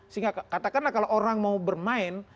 sehingga katakanlah kalau orang mau bermain